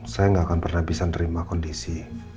saya gak akan pernah bisa menerima kondisi